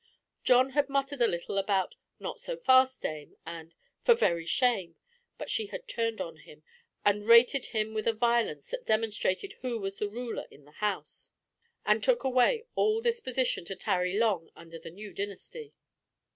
John had muttered a little about "not so fast, dame," and "for very shame," but she had turned on him, and rated him with a violence that demonstrated who was ruler in the house, and took away all disposition to tarry long under the new dynasty.